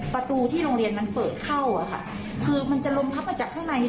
ประตูที่โรงเรียนมันเปิดเข้าอะค่ะคือมันจะลมพับมาจากข้างใน